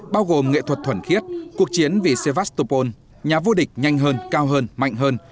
bao gồm nghệ thuật thuẩn khiết cuộc chiến vì sevastopol nhà vua địch nhanh hơn cao hơn mạnh hơn